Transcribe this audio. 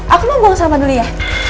aku mau buang sampah dulu ya